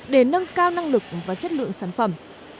để nâng cao năng lực và chất lượng sản phẩm